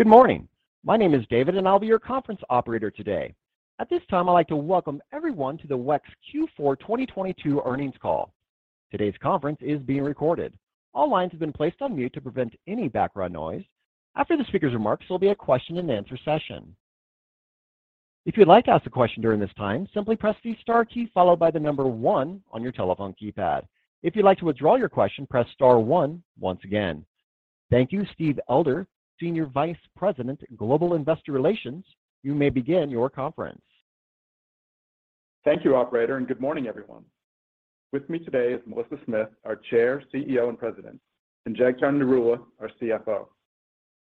Good morning. My name is David, and I'll be your conference operator today. At this time, I'd like to welcome everyone to the WEX Q4 2022 earnings call. Today's conference is being recorded. All lines have been placed on mute to prevent any background noise. After the speaker's remarks, there'll be a question-and-answer session. If you'd like to ask a question during this time, simply press the star key followed by the number one on your telephone keypad. If you'd like to withdraw your question, press star one once again. Thank you. Steve Elder, Senior Vice President, Global Investor Relations, you may begin your conference. Thank you, operator, and good morning, everyone. With me today is Melissa Smith, our Chair, CEO, and President, and Jagtar Narula, our CFO.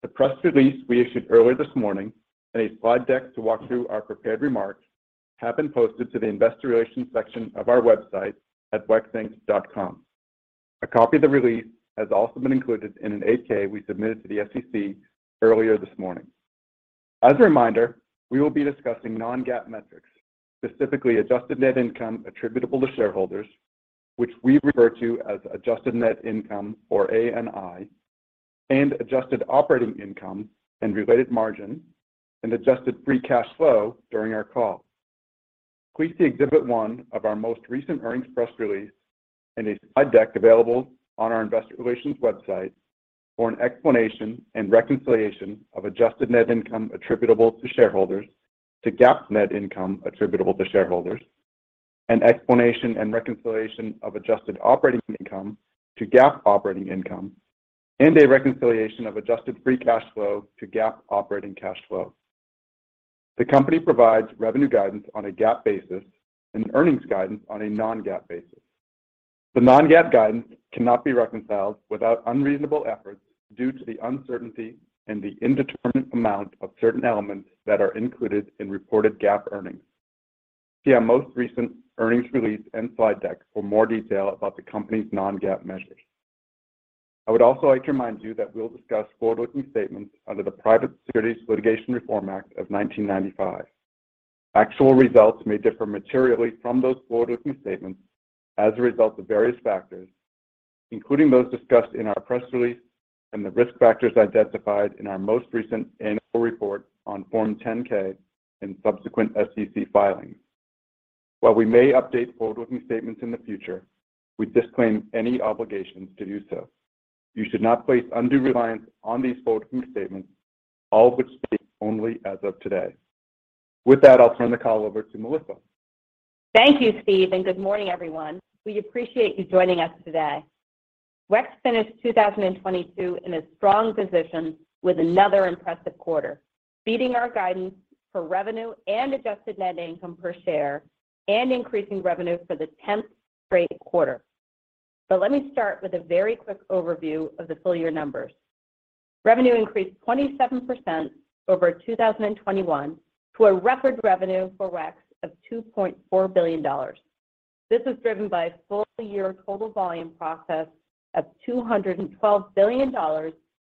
The press release we issued earlier this morning and a slide deck to walk through our prepared remarks have been posted to the investor relations section of our website at wexinc.com. A copy of the release has also been included in an 8-K we submitted to the SEC earlier this morning. As a reminder, we will be discussing non-GAAP metrics, specifically adjusted net income attributable to shareholders, which we refer to as adjusted net income or ANI, and adjusted operating income and related margin and adjusted free cash flow during our call. Please see Exhibit 1 of our most recent earnings press release and a slide deck available on our investor relations website for an explanation and reconciliation of adjusted net income attributable to shareholders to GAAP net income attributable to shareholders, an explanation and reconciliation of adjusted operating income to GAAP operating income, and a reconciliation of adjusted free cash flow to GAAP operating cash flow. The company provides revenue guidance on a GAAP basis and earnings guidance on a non-GAAP basis. The non-GAAP guidance cannot be reconciled without unreasonable efforts due to the uncertainty and the indeterminate amount of certain elements that are included in reported GAAP earnings. See our most recent earnings release and slide deck for more detail about the company's non-GAAP measures. I would also like to remind you that we'll discuss forward-looking statements under the Private Securities Litigation Reform Act of 1995. Actual results may differ materially from those forward-looking statements as a result of various factors, including those discussed in our press release and the risk factors identified in our most recent annual report on Form 10-K and subsequent SEC filings. While we may update forward-looking statements in the future, we disclaim any obligations to do so. You should not place undue reliance on these forward-looking statements, all of which speak only as of today. With that, I'll turn the call over to Melissa. Thank you, Steve. Good morning, everyone. We appreciate you joining us today. WEX finished 2022 in a strong position with another impressive quarter, beating our guidance for revenue and adjusted net income per share and increasing revenue for the tenth straight quarter. Let me start with a very quick overview of the full year numbers. Revenue increased 27% over 2021 to a record revenue for WEX of $2.4 billion. This is driven by full year total volume process of $212 billion,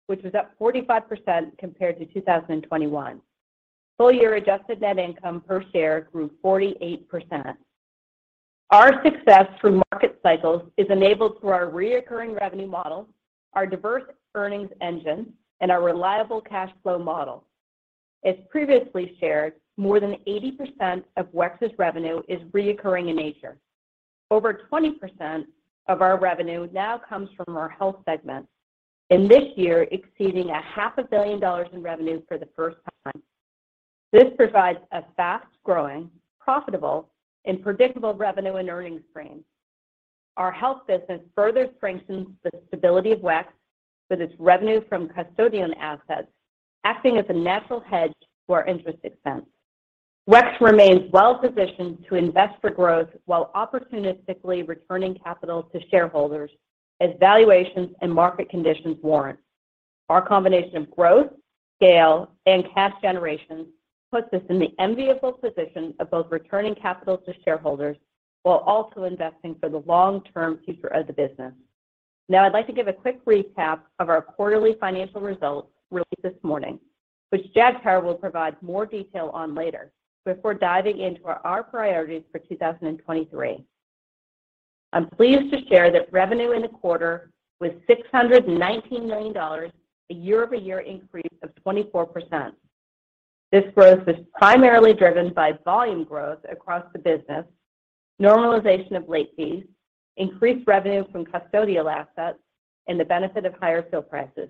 which was up 45% compared to 2021. Full year adjusted net income per share grew 48%. Our success through market cycles is enabled through our reoccurring revenue model, our diverse earnings engine, and our reliable cash flow model. As previously shared, more than 80% of WEX's revenue is recurring in nature. Over 20% of our revenue now comes from our health segment, and this year exceeding a half a billion dollars in revenue for the first time. This provides a fast-growing, profitable, and predictable revenue and earnings frame. Our health business further strengthens the stability of WEX with its revenue from custodian assets acting as a natural hedge to our interest expense. WEX remains well-positioned to invest for growth while opportunistically returning capital to shareholders as valuations and market conditions warrant. Our combination of growth, scale, and cash generation puts us in the enviable position of both returning capital to shareholders while also investing for the long-term future of the business. I'd like to give a quick recap of our quarterly financial results released this morning, which Jagtar will provide more detail on later before diving into our priorities for 2023. I'm pleased to share that revenue in the quarter was $619 million, a year-over-year increase of 24%. This growth was primarily driven by volume growth across the business, normalization of late fees, increased revenue from custodial assets, and the benefit of higher fuel prices.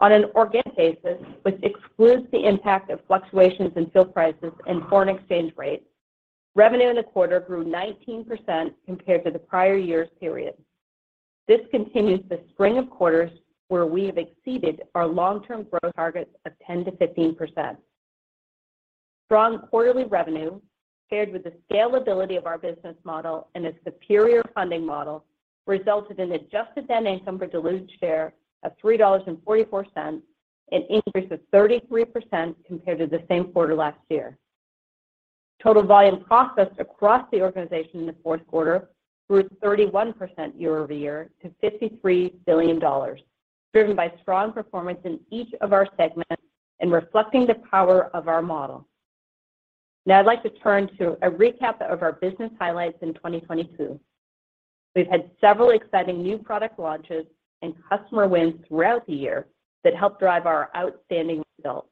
On an organic basis, which excludes the impact of fluctuations in fuel prices and foreign exchange rates, revenue in the quarter grew 19% compared to the prior year's period. This continues the string of quarters where we have exceeded our long-term growth targets of 10%-15%. Strong quarterly revenue paired with the scalability of our business model and its superior funding model resulted in adjusted net income per diluted share of $3.44, an increase of 33% compared to the same quarter last year. Total volume processed across the organization in the fourth quarter grew 31% year-over-year to $53 billion, driven by strong performance in each of our segments and reflecting the power of our model. Now I'd like to turn to a recap of our business highlights in 2022. We've had several exciting new product launches and customer wins throughout the year that helped drive our outstanding results.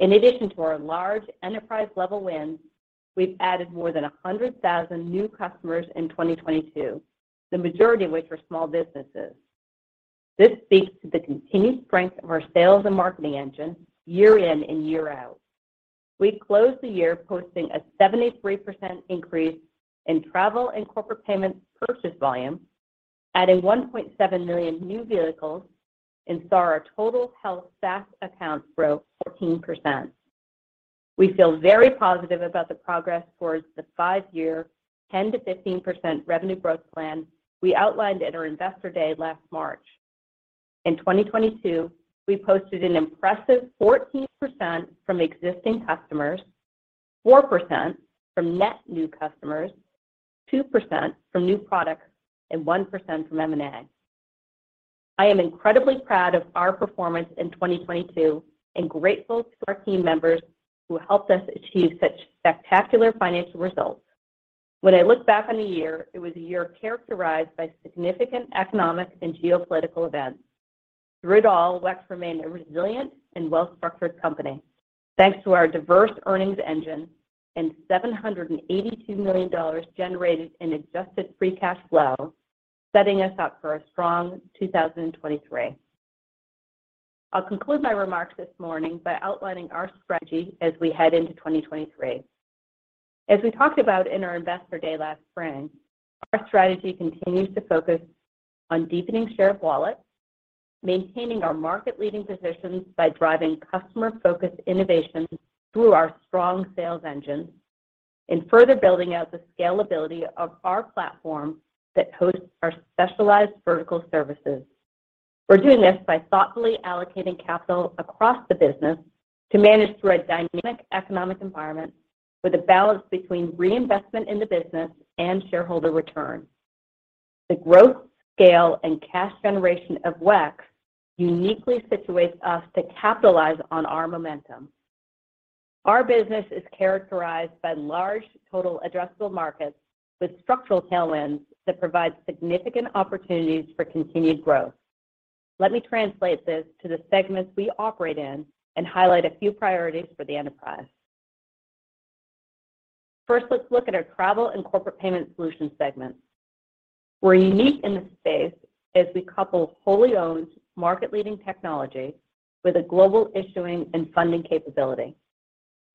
In addition to our large enterprise-level wins, we've added more than 100,000 new customers in 2022, the majority of which were small businesses. This speaks to the continued strength of our sales and marketing engine year in and year out. We closed the year posting a 73% increase in travel and corporate payments purchase volume, adding 1.7 million new vehicles, and saw our total health SaaS accounts grow 14%. We feel very positive about the progress towards the 5-year 10%-15% revenue growth plan we outlined at our Investor Day last March. In 2022, we posted an impressive 14% from existing customers, 4% from net new customers, 2% from new products, and 1% from M&A. I am incredibly proud of our performance in 2022 and grateful to our team members who helped us achieve such spectacular financial results. When I look back on the year, it was a year characterized by significant economic and geopolitical events. Through it all, WEX remained a resilient and well-structured company, thanks to our diverse earnings engine and $782 million generated in adjusted free cash flow, setting us up for a strong 2023. I'll conclude my remarks this morning by outlining our strategy as we head into 2023. As we talked about in our Investor Day last spring, our strategy continues to focus on deepening share of wallet, maintaining our market-leading positions by driving customer-focused innovation through our strong sales engine, and further building out the scalability of our platform that hosts our specialized vertical services. We're doing this by thoughtfully allocating capital across the business to manage through a dynamic economic environment with a balance between reinvestment in the business and shareholder return. The growth, scale, and cash generation of WEX uniquely situates us to capitalize on our momentum. Our business is characterized by large total addressable markets with structural tailwinds that provide significant opportunities for continued growth. Let me translate this to the segments we operate in and highlight a few priorities for the enterprise. First, let's look at our travel and corporate payment solutions segment. We're unique in this space as we couple wholly owned market-leading technology with a global issuing and funding capability.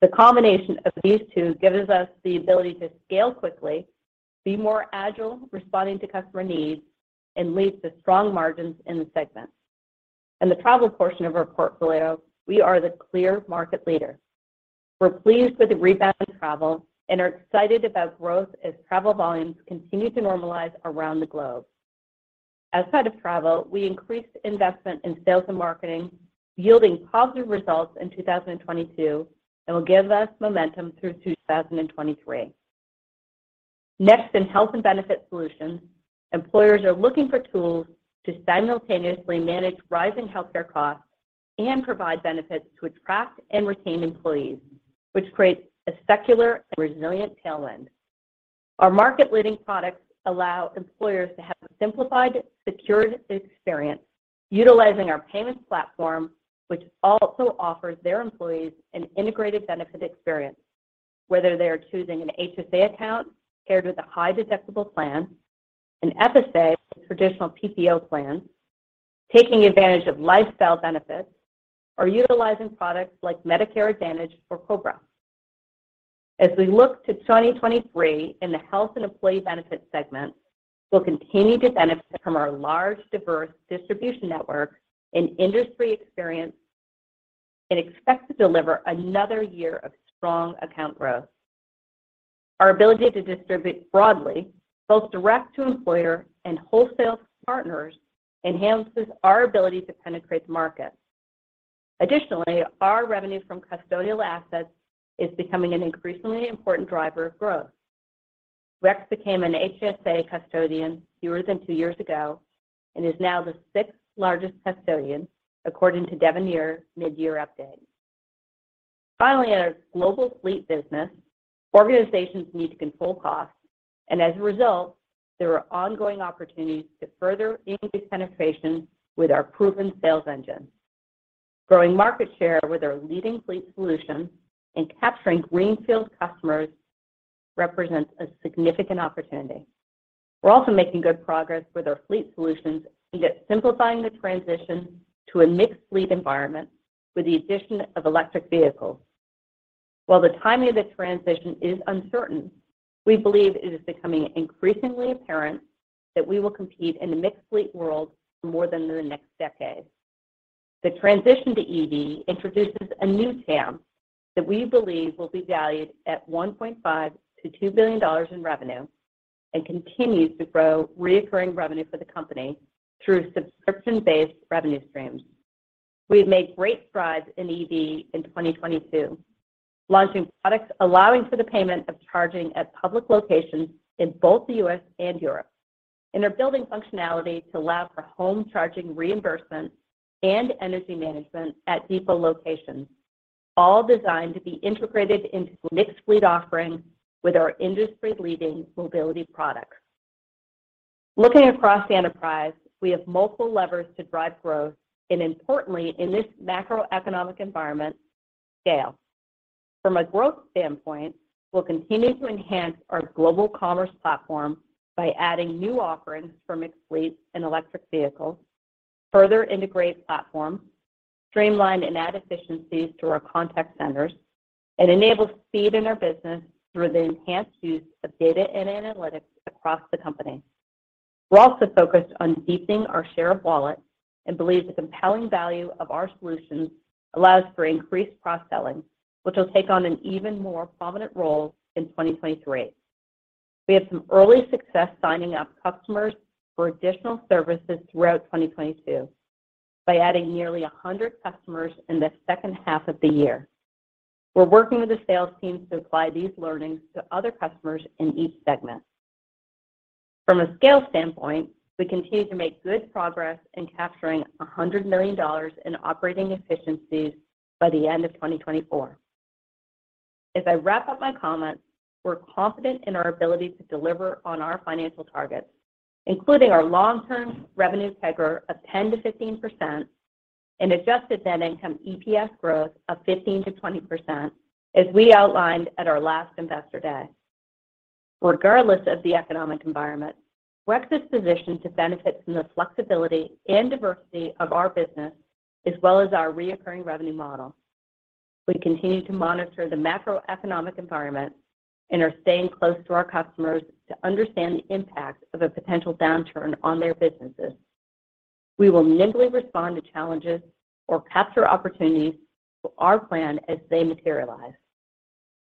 The combination of these two gives us the ability to scale quickly, be more agile responding to customer needs, and lead to strong margins in the segment. In the travel portion of our portfolio, we are the clear market leader. We're pleased with the rebound in travel and are excited about growth as travel volumes continue to normalize around the globe. Outside of travel, we increased investment in sales and marketing, yielding positive results in 2022 and will give us momentum through 2023. In health and benefit solutions, employers are looking for tools to simultaneously manage rising healthcare costs and provide benefits to attract and retain employees, which creates a secular and resilient tailwind. Our market-leading products allow employers to have a simplified, secured experience utilizing our payments platform, which also offers their employees an integrated benefit experience, whether they are choosing an HSA account paired with a high-deductible plan, an FSA with a traditional PPO plan, taking advantage of lifestyle benefits, or utilizing products like Medicare Advantage or COBRA. As we look to 2023 in the health and employee benefit segment, we'll continue to benefit from our large, diverse distribution network and industry experience and expect to deliver another year of strong account growth. Our revenue from custodial assets is becoming an increasingly important driver of growth. WEX became an HSA custodian fewer than two years ago and is now the sixth largest custodian, according to Devenir mid-year update. In our global fleet business, organizations need to control costs, and as a result, there are ongoing opportunities to further increase penetration with our proven sales engine. Growing market share with our leading fleet solution and capturing greenfield customers represents a significant opportunity. We're also making good progress with our fleet solutions and simplifying the transition to a mixed fleet environment with the addition of electric vehicles. While the timing of this transition is uncertain, we believe it is becoming increasingly apparent that we will compete in the mixed fleet world for more than the next decade. The transition to EV introduces a new TAM that we believe will be valued at $1.5 billion-$2 billion in revenue and continues to grow recurring revenue for the company through subscription-based revenue streams. We have made great strides in EV in 2022, launching products allowing for the payment of charging at public locations in both the U.S. and Europe. They're building functionality to allow for home charging reimbursement and energy management at depot locations, all designed to be integrated into mixed fleet offerings with our industry-leading mobility products. Looking across the enterprise, we have multiple levers to drive growth and importantly, in this macroeconomic environment, scale. From a growth standpoint, we'll continue to enhance our global commerce platform by adding new offerings for mixed fleets and electric vehicles, further integrate platforms, streamline and add efficiencies through our contact centers, enable speed in our business through the enhanced use of data and analytics across the company. We're also focused on deepening our share of wallet and believe the compelling value of our solutions allows for increased cross-selling, which will take on an even more prominent role in 2023. We had some early success signing up customers for additional services throughout 2022 by adding nearly 100 customers in the H2 of the year. We're working with the sales teams to apply these learnings to other customers in each segment. From a scale standpoint, we continue to make good progress in capturing $100 million in operating efficiencies by the end of 2024. As I wrap up my comments, we're confident in our ability to deliver on our financial targets, including our long-term revenue CAGR of 10%-15% and adjusted net income EPS growth of 15%-20%, as we outlined at our last Investor Day. Regardless of the economic environment, WEX is positioned to benefit from the flexibility and diversity of our business, as well as our reoccurring revenue model. We continue to monitor the macroeconomic environment and are staying close to our customers to understand the impact of a potential downturn on their businesses. We will nimbly respond to challenges or capture opportunities through our plan as they materialize.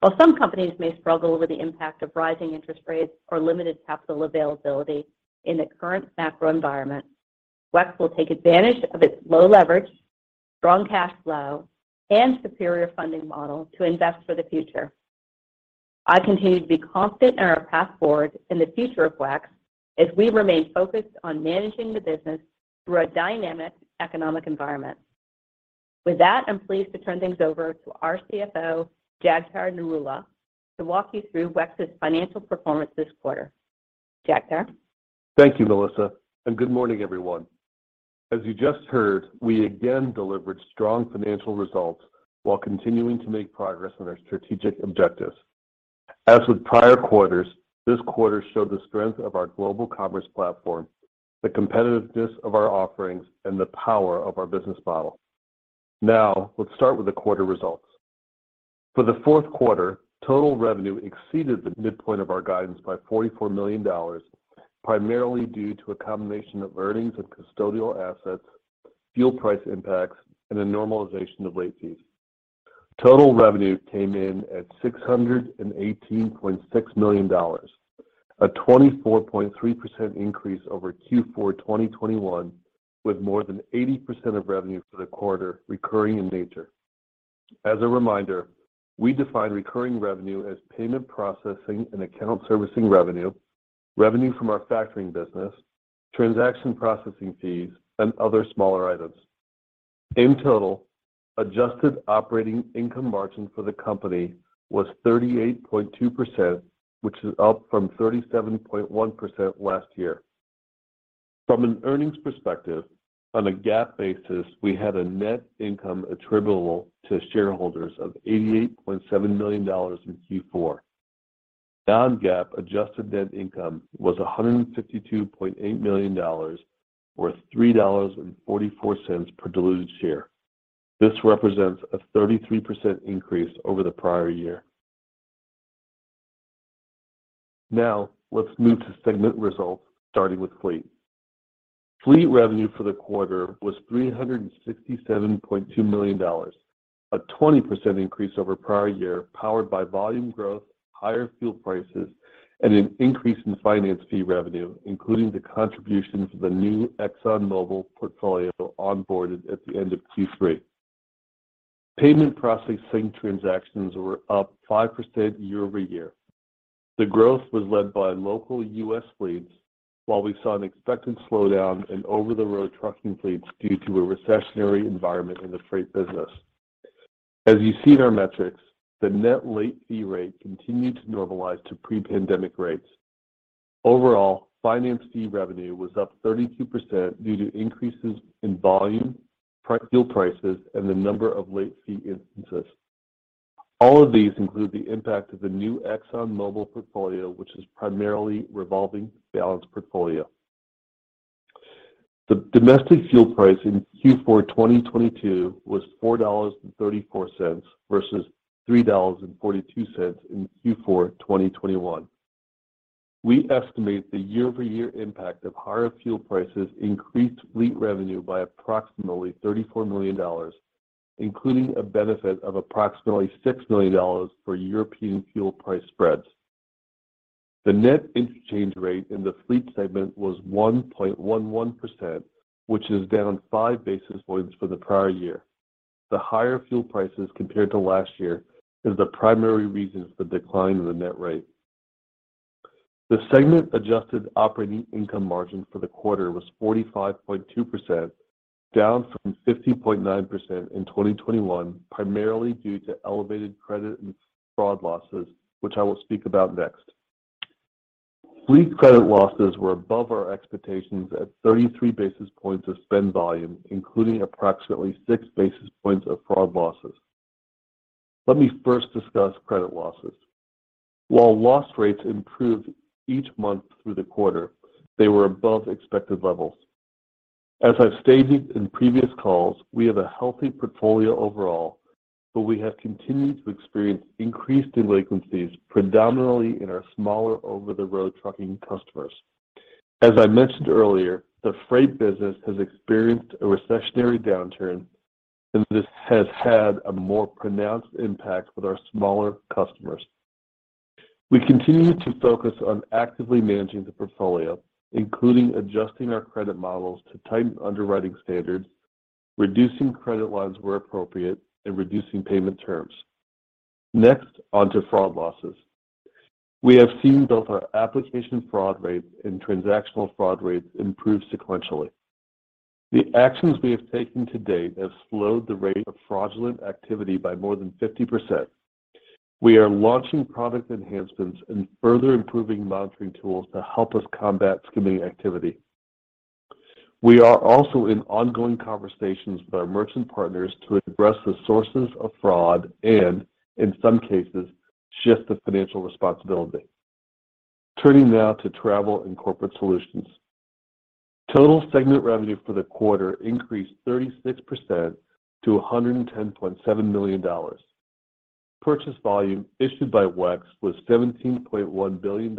While some companies may struggle with the impact of rising interest rates or limited capital availability in the current macro environment, WEX will take advantage of its low leverage, strong cash flow, and superior funding model to invest for the future. I continue to be confident in our path forward and the future of WEX as we remain focused on managing the business through a dynamic economic environment. With that, I'm pleased to turn things over to our CFO, Jagtar Narula, to walk you through WEX's financial performance this quarter. Jagtar. Thank you, Melissa, and good morning, everyone. As you just heard, we again delivered strong financial results while continuing to make progress on our strategic objectives. As with prior quarters, this quarter showed the strength of our global commerce platform, the competitiveness of our offerings, and the power of our business model. Let's start with the quarter results. For the fourth quarter, total revenue exceeded the midpoint of our guidance by $44 million, primarily due to a combination of earnings and custodial assets, fuel price impacts, and a normalization of late fees. Total revenue came in at $618.6 million, a 24.3% increase over Q4 2021, with more than 80% of revenue for the quarter recurring in nature. As a reminder, we define recurring revenue as payment processing and account servicing revenue from our factoring business, transaction processing fees, and other smaller items. In total, adjusted operating income margin for the company was 38.2%, which is up from 37.1% last year. From an earnings perspective, on a GAAP basis, we had a net income attributable to shareholders of $88.7 million in Q4. Non-GAAP adjusted net income was $152.8 million, or $3.44 per diluted share. This represents a 33% increase over the prior year. Let's move to segment results, starting with Fleet. Fleet revenue for the quarter was $367.2 million, a 20% increase over prior year, powered by volume growth, higher fuel prices, and an increase in finance fee revenue, including the contribution to the new ExxonMobil portfolio onboarded at the end of Q3. Payment processing transactions were up 5% year-over-year. The growth was led by local U.S. fleets, while we saw an expected slowdown in over-the-road trucking fleets due to a recessionary environment in the freight business. As you see in our metrics, the net late fee rate continued to normalize to pre-pandemic rates. Overall, finance fee revenue was up 32% due to increases in volume, fuel prices, and the number of late fee instances. All of these include the impact of the new ExxonMobil portfolio, which is primarily revolving balanced portfolio. The domestic fuel price in Q4 2022 was $4.34 versus $3.42 in Q4 2021. We estimate the year-over-year impact of higher fuel prices increased fleet revenue by approximately $34 million, including a benefit of approximately $6 million for European fuel price spreads. The net interchange rate in the fleet segment was 1.11%, which is down 5 basis points for the prior year. The higher fuel prices compared to last year is the primary reason for the decline in the net rate. The segment adjusted operating income margin for the quarter was 45.2%, down from 50.9% in 2021, primarily due to elevated credit and fraud losses, which I will speak about next. Fleet credit losses were above our expectations at 33 basis points of spend volume, including approximately 6 basis points of fraud losses. Let me first discuss credit losses. While loss rates improved each month through the quarter, they were above expected levels. As I've stated in previous calls, we have a healthy portfolio overall, but we have continued to experience increased delinquencies, predominantly in our smaller over-the-road trucking customers. As I mentioned earlier, the freight business has experienced a recessionary downturn, this has had a more pronounced impact with our smaller customers. On to fraud losses. We have seen both our application fraud rates and transactional fraud rates improve sequentially. The actions we have taken to date have slowed the rate of fraudulent activity by more than 50%. We are launching product enhancements and further improving monitoring tools to help us combat skimming activity. We are also in ongoing conversations with our merchant partners to address the sources of fraud and, in some cases, shift the financial responsibility. Turning now to travel and corporate solutions. Total segment revenue for the quarter increased 36% to $110.7 million. Purchase volume issued by WEX was $17.1 billion,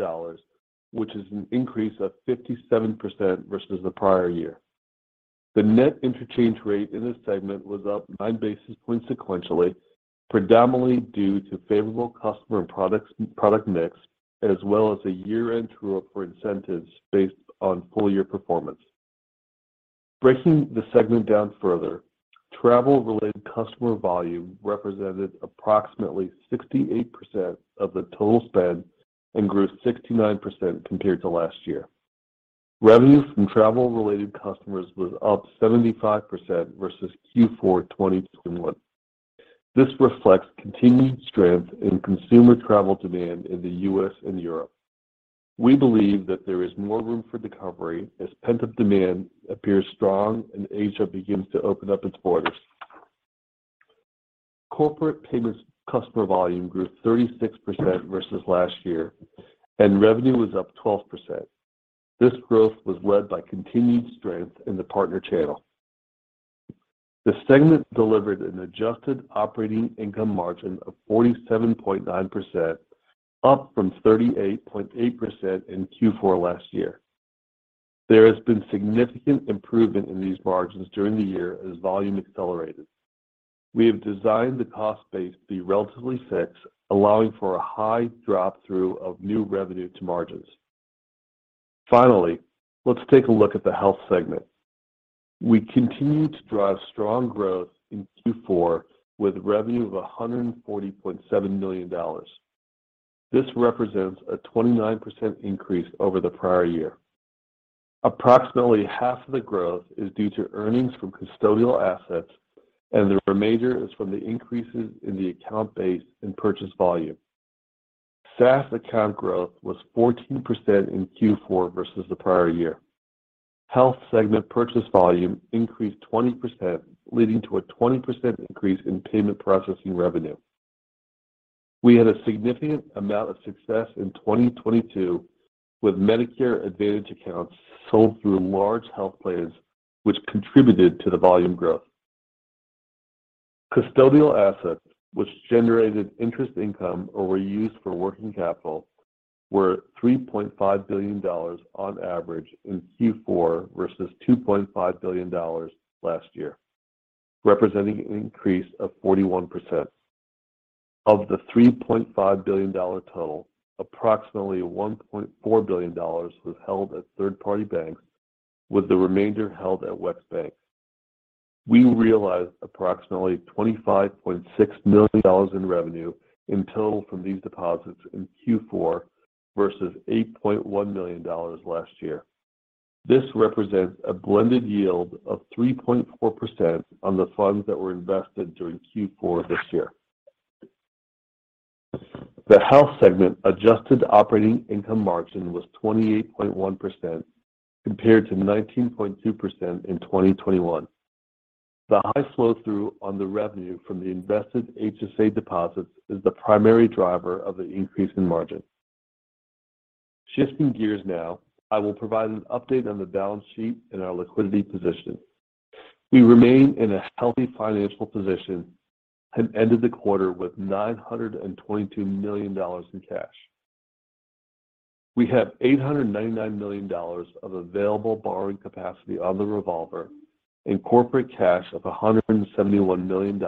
which is an increase of 57% versus the prior year. The net interchange rate in this segment was up 9 basis points sequentially, predominantly due to favorable customer and product mix, as well as a year-end true-up for incentives based on full-year performance. Breaking the segment down further, travel-related customer volume represented approximately 68% of the total spend and grew 69% compared to last year. Revenue from travel-related customers was up 75% versus Q4 2021. This reflects continued strength in consumer travel demand in the US and Europe. We believe that there is more room for recovery as pent-up demand appears strong and Asia begins to open up its borders. Corporate payments customer volume grew 36% versus last year, and revenue was up 12%. This growth was led by continued strength in the partner channel. The segment delivered an adjusted operating income margin of 47.9%, up from 38.8% in Q4 last year. There has been significant improvement in these margins during the year as volume accelerated. We have designed the cost base to be relatively fixed, allowing for a high drop through of new revenue to margins. Let's take a look at the health segment. We continued to drive strong growth in Q4 with revenue of $140.7 million. This represents a 29% increase over the prior year. Approximately half of the growth is due to earnings from custodial assets, and the remainder is from the increases in the account base and purchase volume. SaaS account growth was 14% in Q4 versus the prior year. Health segment purchase volume increased 20%, leading to a 20% increase in payment processing revenue. We had a significant amount of success in 2022 with Medicare Advantage accounts sold through large health plans, which contributed to the volume growth. Custodial assets, which generated interest income or were used for working capital, were $3.5 billion on average in Q4 versus $2.5 billion last year, representing an increase of 41%. Of the $3.5 billion total, approximately $1.4 billion was held at third-party banks, with the remainder held at WEX Bank. We realized approximately $25.6 million in revenue in total from these deposits in Q4 versus $8.1 million last year. This represents a blended yield of 3.4% on the funds that were invested during Q4 this year. The health segment adjusted operating income margin was 28.1% compared to 19.2% in 2021. The high flow-through on the revenue from the invested HSA deposits is the primary driver of the increase in margin. Shifting gears now, I will provide an update on the balance sheet and our liquidity position. We remain in a healthy financial position and ended the quarter with $922 million in cash. We have $899 million of available borrowing capacity on the revolver and corporate cash of $171 million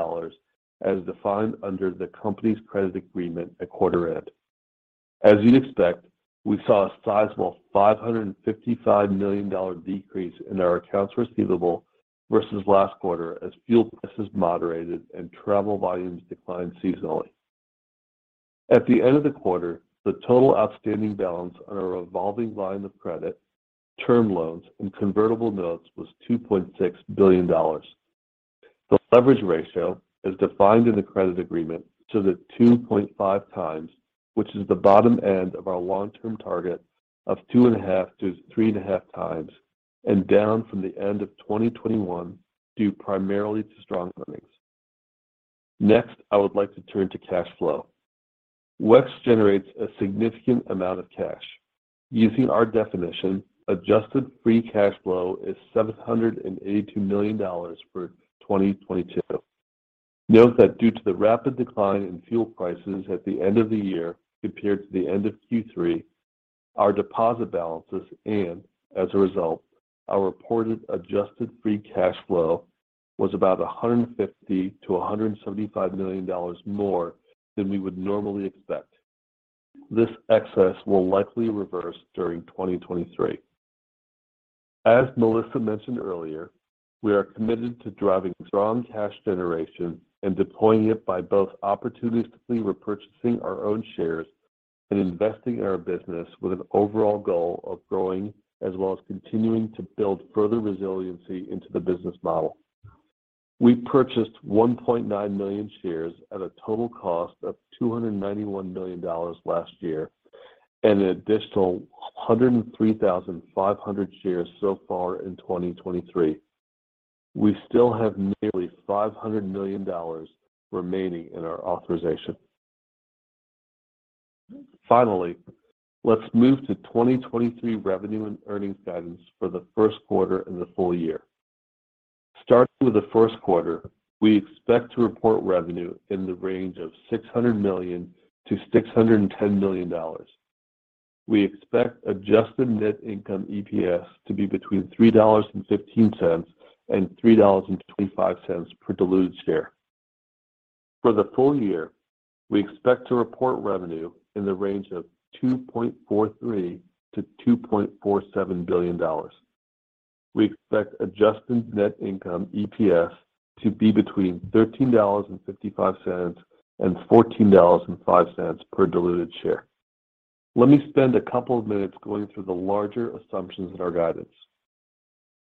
as defined under the company's credit agreement at quarter end. As you'd expect, we saw a sizable $555 million decrease in our accounts receivable versus last quarter as fuel prices moderated and travel volumes declined seasonally. At the end of the quarter, the total outstanding balance on our revolving line of credit, term loans, and convertible notes was $2.6 billion. The leverage ratio is defined in the credit agreement to the 2.5 times, which is the bottom end of our long-term target of 2.5 to 3.5 times, down from the end of 2021 due primarily to strong earnings. I would like to turn to cash flow. WEX generates a significant amount of cash. Using our definition, adjusted free cash flow is $782 million for 2022. Note that due to the rapid decline in fuel prices at the end of the year compared to the end of Q3, our deposit balances and, as a result, our reported adjusted free cash flow was about $150 million-$175 million more than we would normally expect. This excess will likely reverse during 2023. As Melissa mentioned earlier, we are committed to driving strong cash generation and deploying it by both opportunistically repurchasing our own shares and investing in our business with an overall goal of growing as well as continuing to build further resiliency into the business model. We purchased 1.9 million shares at a total cost of $291 million last year and an additional 103,500 shares so far in 2023. We still have nearly $500 million remaining in our authorization. Let's move to 2023 revenue and earnings guidance for the first quarter and the full year. Starting with the first quarter, we expect to report revenue in the range of $600 million-$610 million. We expect adjusted net income EPS to be between $3.15 and $3.25 per diluted share. For the full year, we expect to report revenue in the range of $2.43 billion-$2.47 billion. We expect adjusted net income EPS to be between $13.55 and $14.05 per diluted share. Let me spend a couple of minutes going through the larger assumptions in our guidance.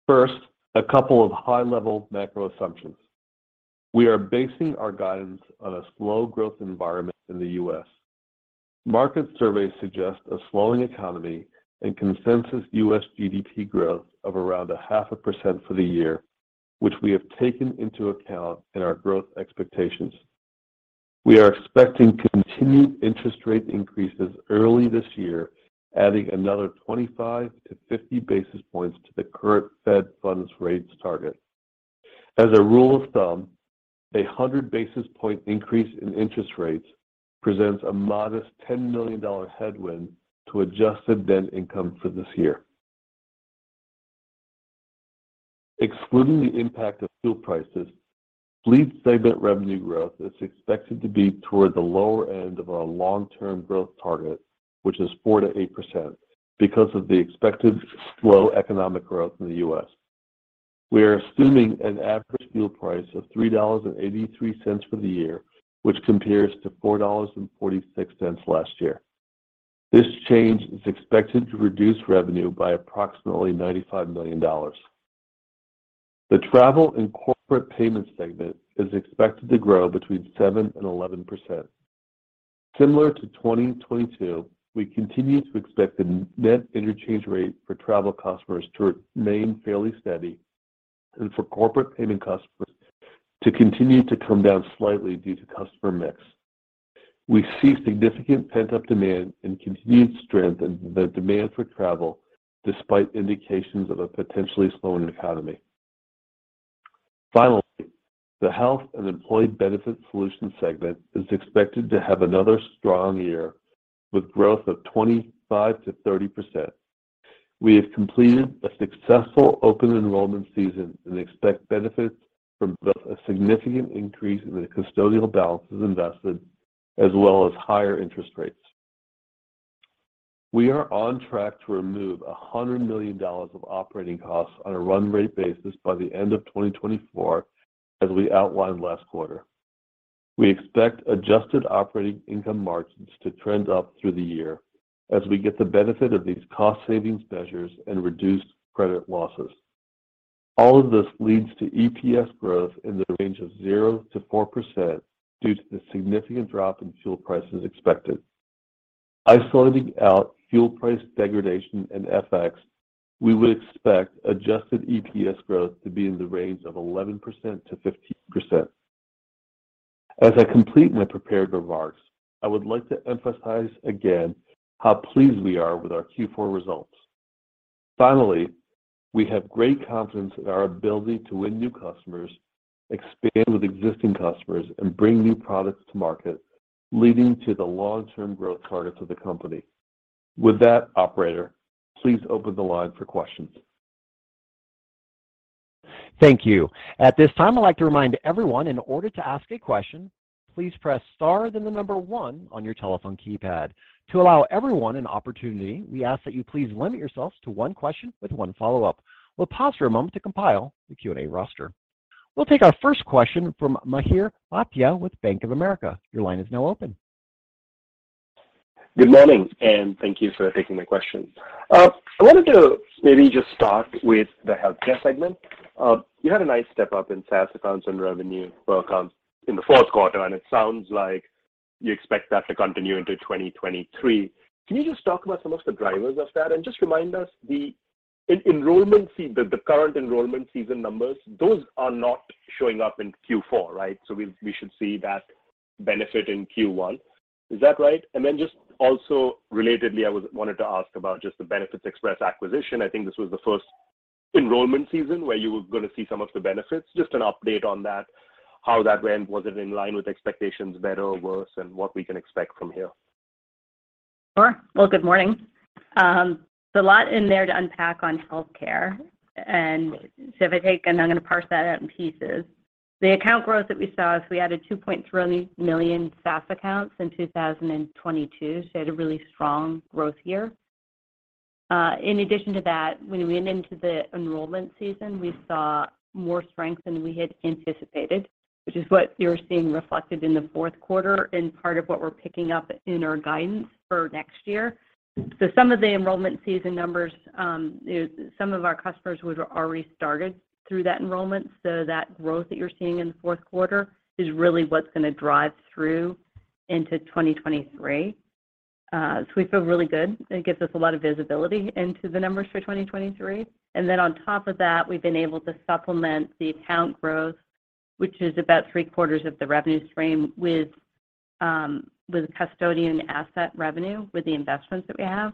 First, a couple of high-level macro assumptions. We are basing our guidance on a slow growth environment in the U.S. Market surveys suggest a slowing economy and consensus U.S. GDP growth of around 0.5% for the year, which we have taken into account in our growth expectations. We are expecting continued interest rate increases early this year, adding another 25 to 50 basis points to the current fed funds rate target. As a rule of thumb, a 100 basis point increase in interest rates presents a modest $10 million headwind to adjusted net income for this year. Excluding the impact of fuel prices, fleet segment revenue growth is expected to be toward the lower end of our long-term growth target, which is 4%-8%, because of the expected slow economic growth in the U.S. We are assuming an average fuel price of $3.83 for the year, which compares to $4.46 last year. This change is expected to reduce revenue by approximately $95 million. The travel and corporate payment segment is expected to grow between 7% and 11%. Similar to 2022, we continue to expect the net interchange rate for travel customers to remain fairly steady and for corporate payment customers to continue to come down slightly due to customer mix. We see significant pent-up demand and continued strength in the demand for travel despite indications of a potentially slowing economy. The health and employee benefit solution segment is expected to have another strong year with growth of 25%-30%. We have completed a successful open enrollment season and expect benefits from both a significant increase in the custodial balances invested as well as higher interest rates. We are on track to remove $100 million of operating costs on a run rate basis by the end of 2024, as we outlined last quarter. We expect adjusted operating income margins to trend up through the year as we get the benefit of these cost savings measures and reduced credit losses. All of this leads to EPS growth in the range of 0%-4% due to the significant drop in fuel prices expected. Isolating out fuel price degradation and FX, we would expect adjusted EPS growth to be in the range of 11%-15%. As I complete my prepared remarks, I would like to emphasize again how pleased we are with our Q4 results. Finally, we have great confidence in our ability to win new customers, expand with existing customers, and bring new products to market, leading to the long-term growth targets of the company. With that, operator, please open the line for questions. Thank you. At this time, I'd like to remind everyone in order to ask a question, please press star then one on your telephone keypad. To allow everyone an opportunity, we ask that you please limit yourselves to one question with one follow-up. We'll pause for a moment to compile the Q&A roster. We'll take our first question from Mihir Bhatia with Bank of America. Your line is now open. Good morning, and thank you for taking my question. I wanted to maybe just start with the healthcare segment. You had a nice step-up in SaaS accounts and revenue for accounts in Q4, and it sounds like you expect that to continue into 2023. Can you just talk about some of the drivers of that? Just remind us the enrollment season, the current enrollment season numbers, those are not showing up in Q4, right? We should see that benefit in Q1. Is that right? Just also relatedly, I wanted to ask about just the benefitexpress acquisition. I think this was the first enrollment season where you were gonna see some of the benefits. Just an update on that, how that went. Was it in line with expectations, better or worse, and what we can expect from here? Sure. Well, good morning. There's a lot in there to unpack on healthcare. I'm gonna parse that out in pieces. The account growth that we saw is we added 2.3 million SaaS accounts in 2022. We had a really strong growth year. In addition to that, when we went into the enrollment season, we saw more strength than we had anticipated, which is what you're seeing reflected in the fourth quarter and part of what we're picking up in our guidance for next year. Some of the enrollment season numbers is some of our customers we've already started through that enrollment, so that growth that you're seeing in the fourth quarter is really what's gonna drive through into 2023. We feel really good. It gives us a lot of visibility into the numbers for 2023. On top of that, we've been able to supplement the account growth, which is about 3/4 of the revenue stream, with custodian asset revenue, with the investments that we have.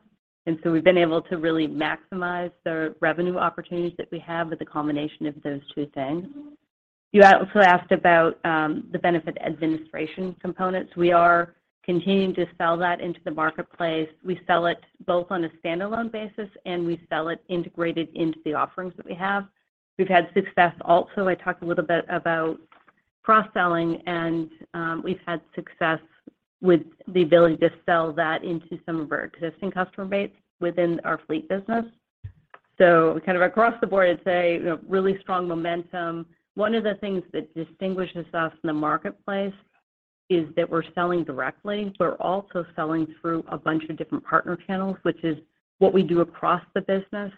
So we've been able to really maximize the revenue opportunities that we have with the combination of those two things. You also asked about the benefit administration components. We are continuing to sell that into the marketplace. We sell it both on a standalone basis, and we sell it integrated into the offerings that we have. We've had success also. I talked a little bit about cross-selling, we've had success with the ability to sell that into some of our existing customer base within our fleet business. Kind of across the board, I'd say, you know, really strong momentum. One of the things that distinguishes us in the marketplace is that we're selling directly. We're also selling through a bunch of different partner channels, which is what we do across the business.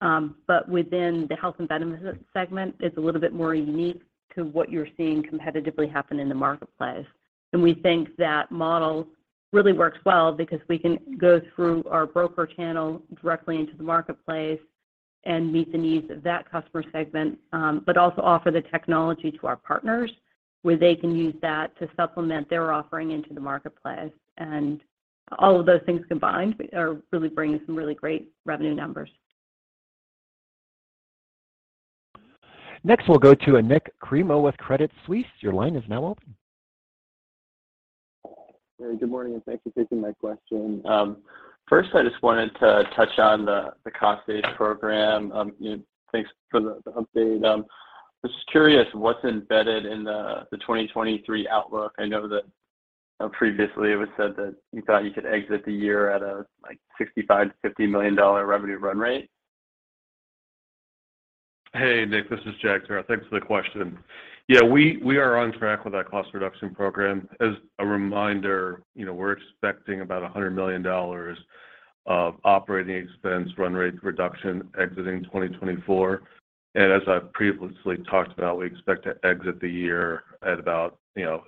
But within the health and benefits segment, it's a little bit more unique to what you're seeing competitively happen in the marketplace. We think that model really works well because we can go through our broker channel directly into the marketplace and meet the needs of that customer segment, but also offer the technology to our partners, where they can use that to supplement their offering into the marketplace. All of those things combined are really bringing some really great revenue numbers. Next, we'll go to Nik Cremo with Credit Suisse. Your line is now open. Good morning, thanks for taking my question. First I just wanted to touch on the cost save program. You know, thanks for the update. Just curious what's embedded in the 2023 outlook. I know that, you know, previously it was said that you thought you could exit the year at a, like, $65 million-$50 million revenue run rate. Hey, Nik, this is Jagtar Narula. Thanks for the question. Yeah, we are on track with our cost reduction program. As a reminder, you know, we're expecting about $100 million of operating expense run rate reduction exiting 2024. As I've previously talked about, we expect to exit the year at about, you know,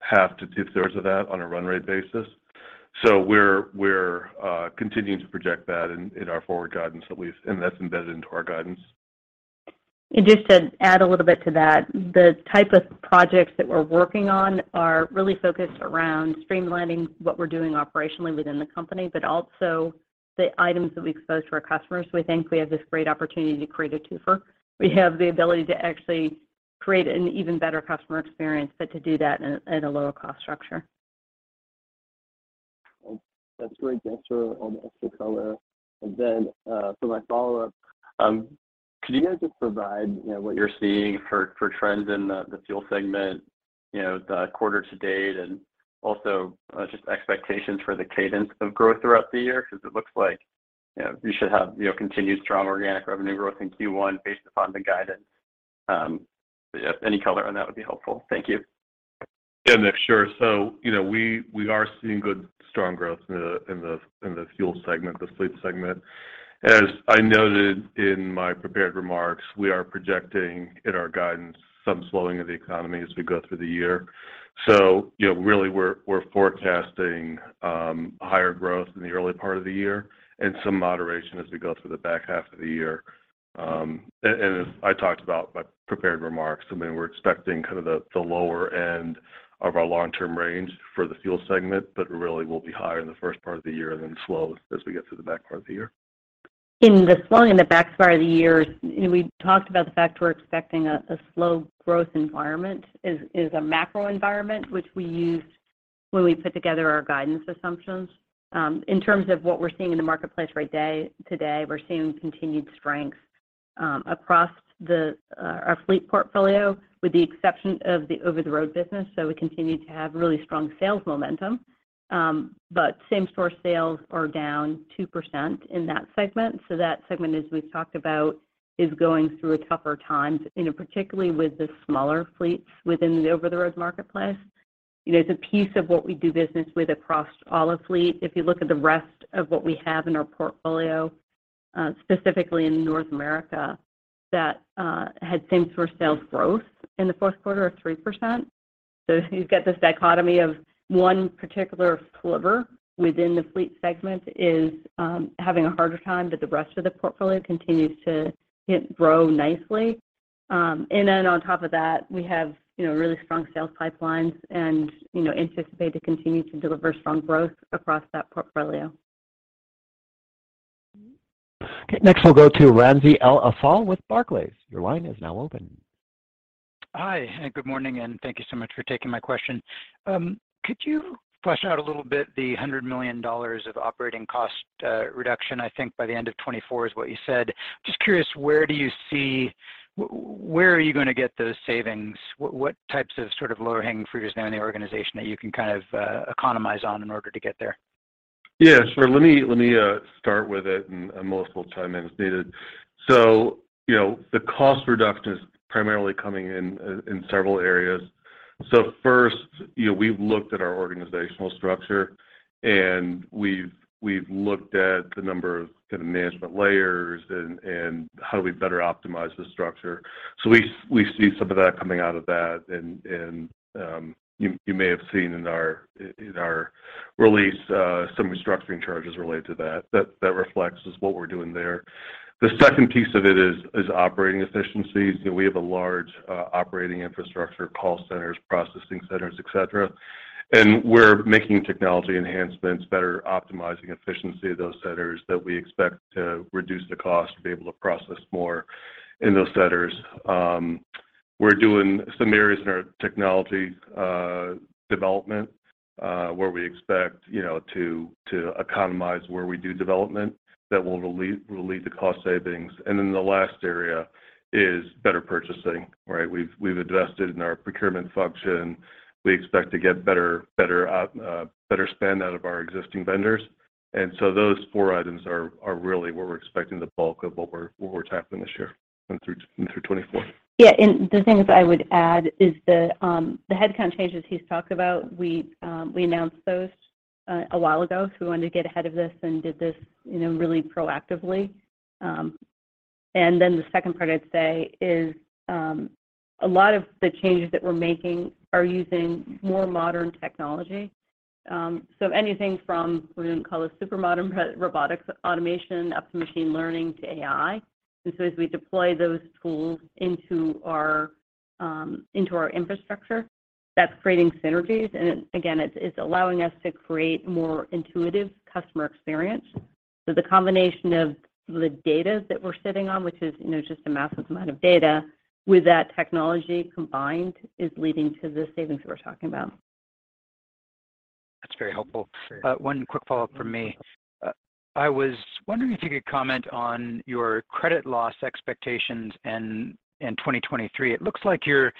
half to two-thirds of that on a run rate basis. We're continuing to project that in our forward guidance at least, and that's embedded into our guidance. Just to add a little bit to that, the type of projects that we're working on are really focused around streamlining what we're doing operationally within the company, but also the items that we expose to our customers. We think we have this great opportunity to create a twofer. We have the ability to actually create an even better customer experience, but to do that at a lower cost structure. That's great, Jagtar, sir. Thanks for the color. For my follow-up, could you guys just provide, you know, what you're seeing for trends in the fuel segment, you know, the quarter to date, and also just expectations for the cadence of growth throughout the year? It looks like, you know, you should have, you know, continued strong organic revenue growth in Q1 based upon the guidance. Any color on that would be helpful. Thank you. Yeah, Nik. Sure. You know, we are seeing good strong growth in the fuel segment, the fleet segment. As I noted in my prepared remarks, we are projecting in our guidance some slowing of the economy as we go through the year. You know, really, we're forecasting higher growth in the early part of the year and some moderation as we go through the back half of the year. And as I talked about in my prepared remarks, I mean, we're expecting kind of the lower end of our long-term range for the fuel segment, but really we'll be higher in the first part of the year and then slow as we get to the back part of the year. In the slowing in the back part of the year, you know, we talked about the fact we're expecting a slow growth environment is a macro environment which we use when we put together our guidance assumptions. In terms of what we're seeing in the marketplace today, we're seeing continued strength across our fleet portfolio, with the exception of the over-the-road business. We continue to have really strong sales momentum. Same-store sales are down 2% in that segment. That segment, as we've talked about, is going through a tougher time, you know, particularly with the smaller fleets within the over-the-road marketplace. You know, it's a piece of what we do business with across all of fleet. If you look at the rest of what we have in our portfolio, specifically in North America, that had same-store sales growth in the fourth quarter of 3%. You've got this dichotomy of one particular sliver within the fleet segment is having a harder time, but the rest of the portfolio continues to grow nicely. On top of that, we have, you know, really strong sales pipelines and, you know, anticipate to continue to deliver strong growth across that portfolio. Next, we'll go to Ramsey El-Assal with Barclays. Your line is now open. Hi. Good morning, and thank you so much for taking my question. Could you flesh out a little bit the $100 million of operating cost reduction, I think, by the end of 2024 is what you said. Just curious, where are you gonna get those savings? What types of sort of lower-hanging fruits now in the organization that you can economize on in order to get there? Yeah, sure. Let me start with it. I'm almost full time in as needed. You know, the cost reduction is primarily coming in several areas. First, you know, we've looked at our organizational structure, and we've looked at the number of kind of management layers and how do we better optimize the structure. We see some of that coming out of that. You may have seen in our release, some restructuring charges related to that reflects what we're doing there. The second piece of it is operating efficiencies. You know, we have a large operating infrastructure, call centers, processing centers, et cetera. We're making technology enhancements, better optimizing efficiency of those centers that we expect to reduce the cost to be able to process more in those centers. We're doing some areas in our technology development, where we expect, you know, to economize where we do development that will lead to cost savings. The last area is better purchasing, right? We've invested in our procurement function. We expect to get better spend out of our existing vendors. Those four items are really where we're expecting the bulk of what we're tackling this year and through 2024. Yeah. The things I would add is the headcount changes he's talked about, we announced those a while ago. We wanted to get ahead of this and did this, you know, really proactively. The second part I'd say is a lot of the changes that we're making are using more modern technology. Anything from what we call a super modern robotics automation up to machine learning to AI. As we deploy those tools into our infrastructure, that's creating synergies. Again, it's allowing us to create more intuitive customer experience. The combination of the data that we're sitting on, which is, you know, just a massive amount of data, with that technology combined is leading to the savings we're talking about. That's very helpful. Sure. One quick follow-up from me. I was wondering if you could comment on your credit loss expectations in 2023. It looks like you're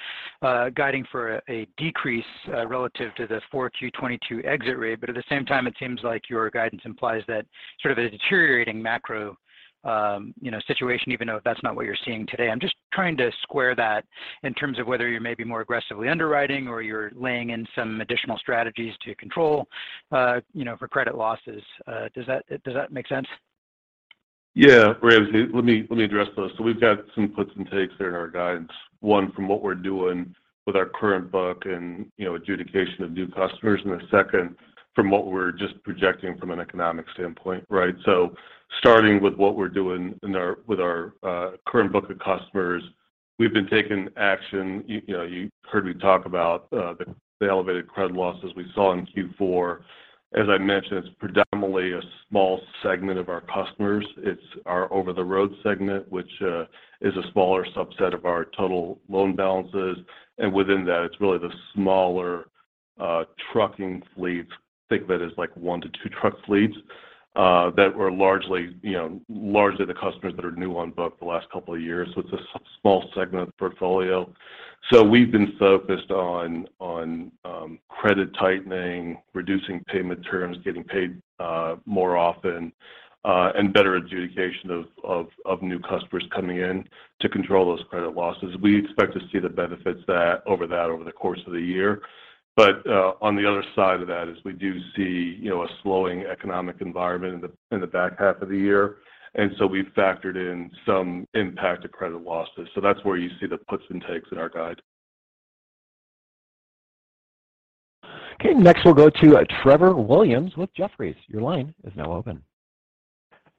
guiding for a decrease relative to the 4Q 2022 exit rate. At the same time, it seems like your guidance implies that sort of a deteriorating macro, you know, situation, even though that's not what you're seeing today. I'm just trying to square that in terms of whether you're maybe more aggressively underwriting or you're laying in some additional strategies to control, you know, for credit losses. Does that make sense? Yeah. Ramsey, let me address those. We've got some puts and takes there in our guidance, one from what we're doing with our current book and, you know, adjudication of new customers, and the second from what we're just projecting from an economic standpoint, right? Starting with what we're doing with our current book of customers, we've been taking action. You know, you heard me talk about the elevated credit losses we saw in Q4. As I mentioned, it's predominantly a small segment of our customers. It's our over-the-road segment, which is a smaller subset of our total loan balances. Within that, it's really the smaller trucking fleet. Think of it as, like, 1 to 2 truck fleets that were largely, you know, the customers that are new on book the last couple of years. It's a small segment of the portfolio. We've been focused on credit tightening, reducing payment terms, getting paid more often and better adjudication of new customers coming in to control those credit losses. We expect to see the benefits over the course of the year. On the other side of that is we do see, you know, a slowing economic environment in the back half of the year. We've factored in some impact to credit losses. That's where you see the puts and takes in our guide. Next, we'll go to Trevor Williams with Jefferies. Your line is now open.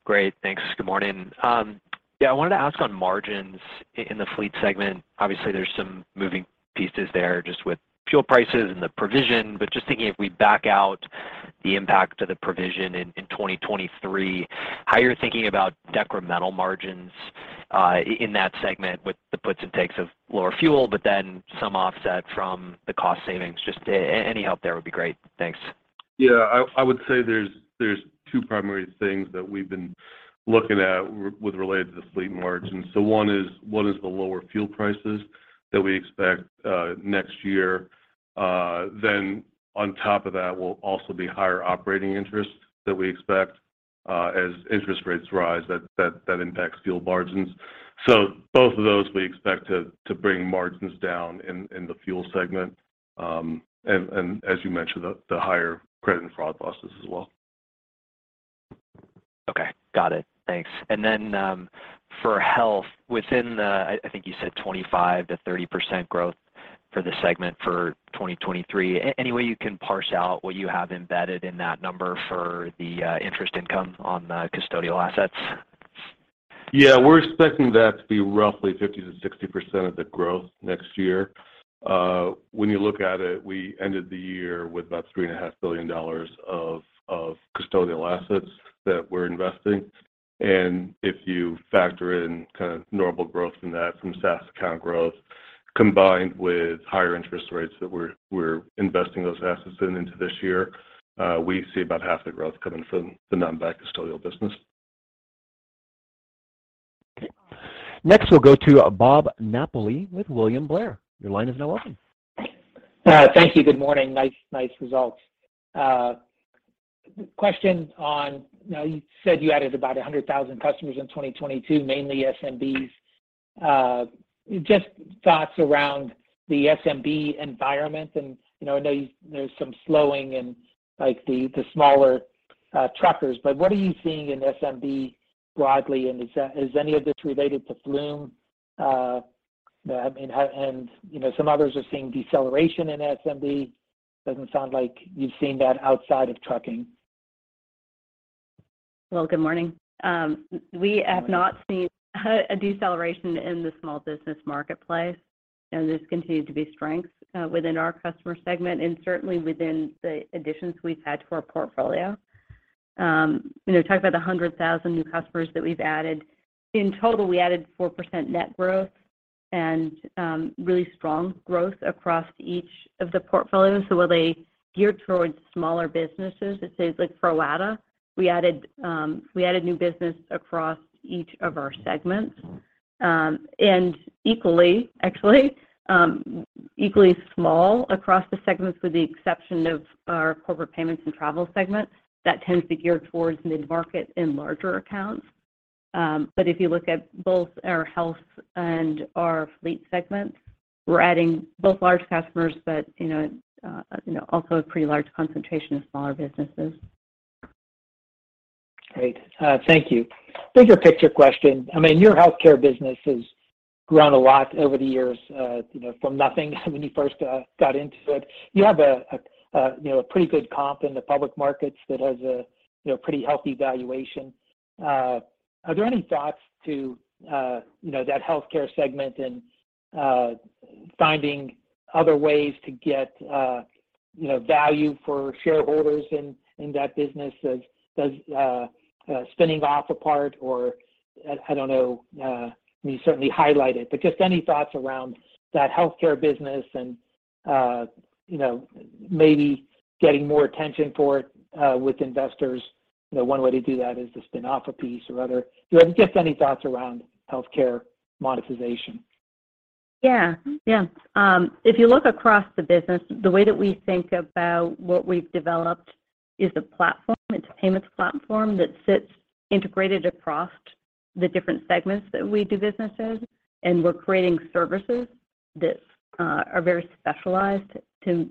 Great. Thanks. Good morning. Yeah, I wanted to ask on margins in the fleet segment. Obviously, there's some moving pieces there just with fuel prices and the provision. Just thinking if we back out The impact of the provision in 2023, how you're thinking about decremental margins in that segment with the puts and takes of lower fuel, but then some offset from the cost savings. Just any help there would be great. Thanks. Yeah. I would say there's two primary things that we've been looking at with related to the fleet margins. One is the lower fuel prices that we expect next year. On top of that will also be higher operating interests that we expect as interest rates rise, that impacts fuel margins. Both of those we expect to bring margins down in the fuel segment. As you mentioned, the higher credit and fraud losses as well. Okay. Got it. Thanks. For health, within the, I think you said 25%-30% growth for the segment for 2023. Any way you can parse out what you have embedded in that number for the interest income on the custodial assets? Yeah. We're expecting that to be roughly 50%-60% of the growth next year. When you look at it, we ended the year with about $3.5 billion of custodial assets that we're investing. If you factor in kind of normal growth in that from SaaS account growth, combined with higher interest rates that we're investing those assets into this year, we see about half the growth coming from the non-bank custodial business. Okay. Next, we'll go to Bob Napoli with William Blair. Your line is now open. Thank you. Good morning. Nice results. Question on. Now, you said you added about 100,000 customers in 2022, mainly SMBs. Just thoughts around the SMB environment and, you know, I know there's some slowing in like the smaller truckers, but what are you seeing in SMB broadly, and is any of this related to Flume? I mean, how, and, you know, some others are seeing deceleration in SMB. Doesn't sound like you've seen that outside of trucking. Well, good morning. We have not seen a deceleration in the small business marketplace. You know, there's continued to be strength within our customer segment and certainly within the additions we've had to our portfolio. You know, talk about the 100,000 new customers that we've added. In total, we added 4% net growth and really strong growth across each of the portfolios. While they gear towards smaller businesses, let's say like for WEX, we added new business across each of our segments. Equally, actually, equally small across the segments with the exception of our corporate payments and travel segment that tends to gear towards mid-market and larger accounts. If you look at both our health and our fleet segments, we're adding both large customers, but, you know, you know, also a pretty large concentration of smaller businesses. Great. Thank you. Bigger picture question? I mean, your healthcare business has grown a lot over the years, you know, from nothing when you first got into it. You have a, you know, a pretty good comp in the public markets that has a, you know, pretty healthy valuation. Are there any thoughts to, you know, that healthcare segment and finding other ways to get, you know, value for shareholders in that business? Does spinning off a part or, I don't know, I mean, you certainly highlight it, but just any thoughts around that healthcare business and, you know, maybe getting more attention for it with investors? You know, one way to do that is to spin off a piece or other. Just any thoughts around healthcare monetization? Yeah. Yeah. If you look across the business, the way that we think about what we've developed is a platform. It's a payments platform that sits integrated across the different segments that we do businesses, and we're creating services that are very specialized to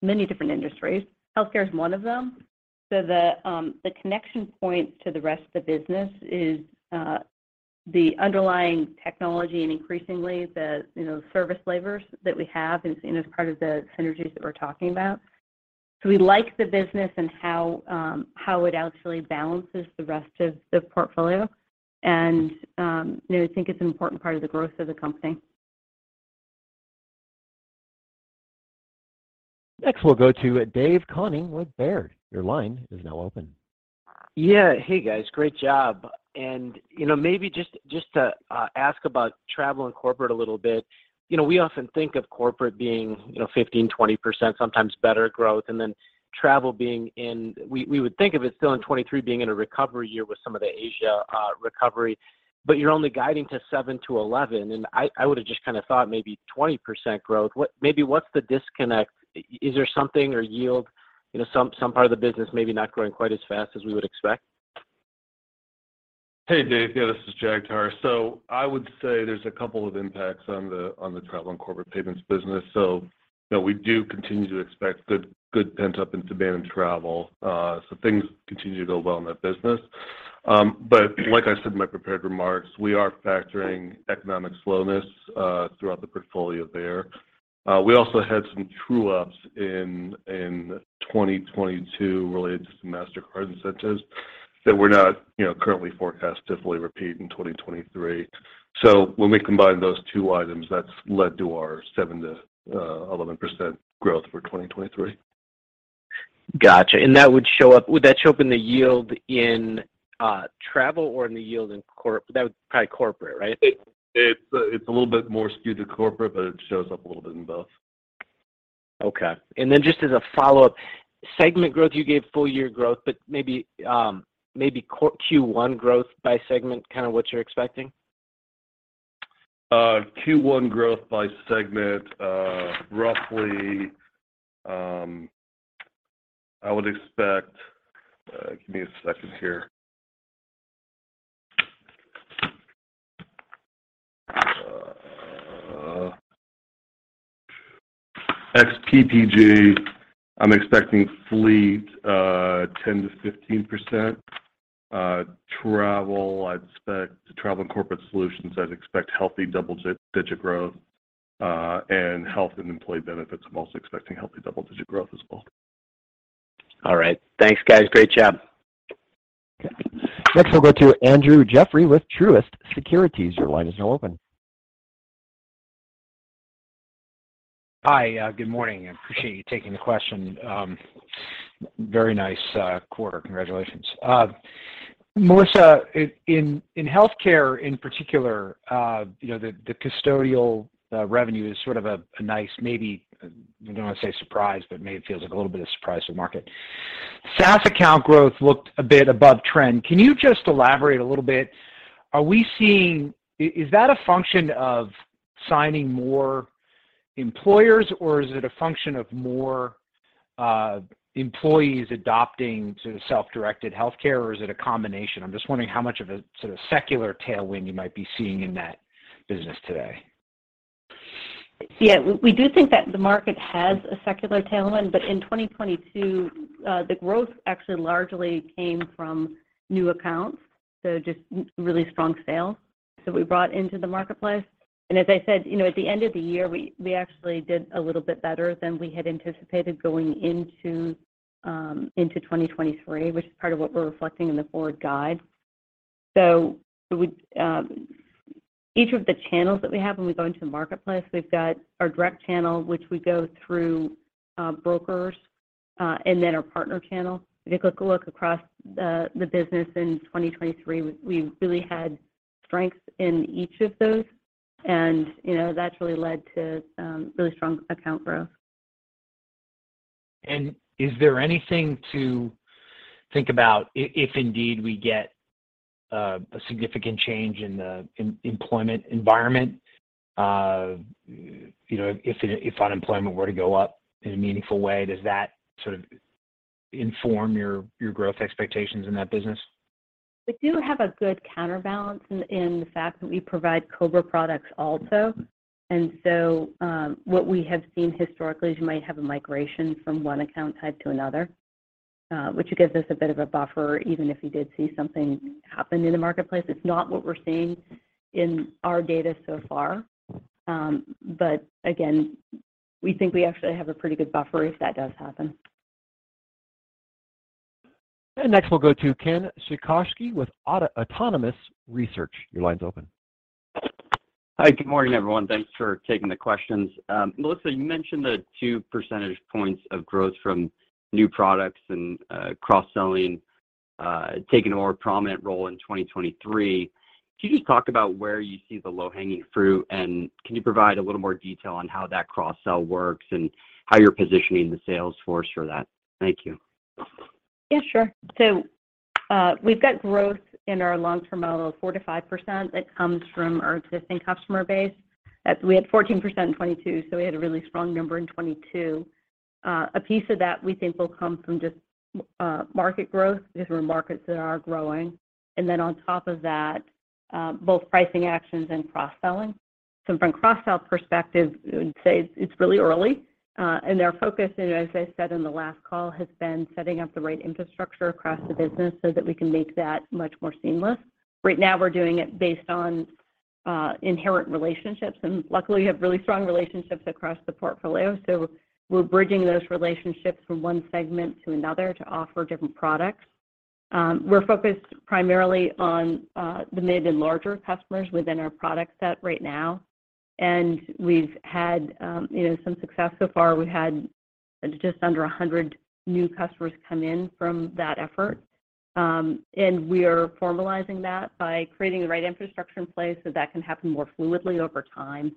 many different industries. Healthcare is one of them. The connection points to the rest of the business is the underlying technology and increasingly the, you know, service labors that we have and as part of the synergies that we're talking about. We like the business and how it actually balances the rest of the portfolio. you know, we think it's an important part of the growth of the company. Next, we'll go to Dave Koning with Baird. Your line is now open. Yeah. Hey, guys, great job. You know, maybe just to ask about travel and corporate a little bit. You know, we often think of corporate being, you know, 15%, 20%, sometimes better growth, and then travel being in... We would think of it still in 2023 being in a recovery year with some of the Asia recovery, but you're only guiding to 7%-11%. I would've just kinda thought maybe 20% growth. Maybe what's the disconnect? Is there something or yield, you know, some part of the business maybe not growing quite as fast as we would expect? Hey, Dave. Yeah, this is Jagtar Narula. I would say there's a couple of impacts on the, on the travel and corporate payments business. You know, we do continue to expect good pent-up demand in travel. Things continue to go well in that business. But like I said in my prepared remarks, we are factoring economic slowness throughout the portfolio there. We also had some true ups in 2022 related to some Mastercard incentives, that we're not, you know, currently forecast to fully repeat in 2023. When we combine those two items, that's led to our 7%-11% growth for 2023. Gotcha. Would that show up in the yield in travel or in the yield in that would be probably corporate, right? It's a little bit more skewed to corporate, but it shows up a little bit in both. Okay. Just as a follow-up, segment growth, you gave full year growth, but maybe Q1 growth by segment, kind of what you're expecting. Q1 growth by segment, roughly, I would expect. Give me a second here. Ex PPG, I'm expecting fleet, 10%-15%. Travel and corporate solutions, I'd expect healthy double-digit growth. Health and employee benefits, I'm also expecting healthy double-digit growth as well. All right. Thanks, guys. Great job. Next, we'll go to Andrew Jeffrey with Truist Securities. Your line is now open. Hi. Good morning. I appreciate you taking the question. Very nice quarter. Congratulations. Melissa, in healthcare in particular, you know, the custodial revenue is sort of a nice maybe, I don't want to say surprise, but maybe it feels like a little bit of surprise to the market. SaaS account growth looked a bit above trend. Can you just elaborate a little bit? Is that a function of signing more employers, or is it a function of more employees adopting sort of self-directed healthcare, or is it a combination? I'm just wondering how much of a sort of secular tailwind you might be seeing in that business today. Yeah. We do think that the market has a secular tailwind, but in 2022, the growth actually largely came from new accounts, so just really strong sales that we brought into the marketplace. As I said, you know, at the end of the year, we actually did a little bit better than we had anticipated going into 2023, which is part of what we're reflecting in the forward guide. So we each of the channels that we have when we go into the marketplace, we've got our direct channel, which we go through brokers, and then our partner channel. If you took a look across the business in 2023, we really had strength in each of those. You know, that's really led to really strong account growth. Is there anything to think about if indeed we get a significant change in the employment environment, you know, if unemployment were to go up in a meaningful way, does that sort of inform your growth expectations in that business? We do have a good counterbalance in the fact that we provide COBRA products also. What we have seen historically is you might have a migration from one account type to another, which gives us a bit of a buffer, even if you did see something happen in the marketplace. It's not what we're seeing in our data so far. Again, we think we actually have a pretty good buffer if that does happen. Next, we'll go to Ken Suchoski with Autonomous Research. Your line's open. Hi. Good morning, everyone. Thanks for taking the questions. Melissa, you mentioned the 2 percentage points of growth from new products and cross-selling taking a more prominent role in 2023. Can you just talk about where you see the low-hanging fruit, and can you provide a little more detail on how that cross-sell works and how you're positioning the sales force for that? Thank you. Yeah, sure. We've got growth in our long-term model of 4%-5% that comes from our existing customer base. As we had 14% in 2022, we had a really strong number in 2022. A piece of that we think will come from just market growth, different markets that are growing. Then on top of that, both pricing actions and cross-selling. From cross-sell perspective, I would say it's really early. Our focus, you know, as I said in the last call, has been setting up the right infrastructure across the business so that we can make that much more seamless. Right now we're doing it based on inherent relationships, and luckily, we have really strong relationships across the portfolio. We're bridging those relationships from one segment to another to offer different products. We're focused primarily on the mid and larger customers within our product set right now. We've had, you know, some success so far. We had just under 100 new customers come in from that effort. We are formalizing that by creating the right infrastructure in place so that can happen more fluidly over time.